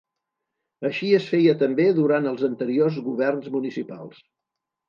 Així es feia també durant els anteriors governs municipals.